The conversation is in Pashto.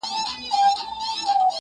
پر ملا کړوپ عمر خوړلی-